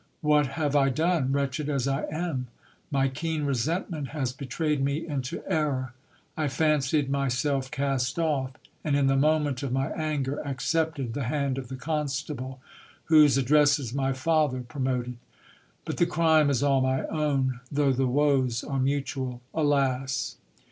What have I done, wretched as I am ? My keen resentment has betrayed me into error. I fancied myself cast off ; and in the moment of my anger, accepted the hand of the constable, whose addresses my father pro moted. But the crime is all my own, though the woes are mutual. Alas